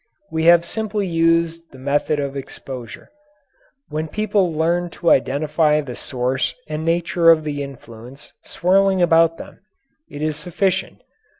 We have simply used the method of exposure. When people learn to identify the source and nature of the influence swirling around them, it is sufficient.